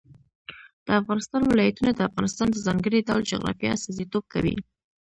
د افغانستان ولايتونه د افغانستان د ځانګړي ډول جغرافیه استازیتوب کوي.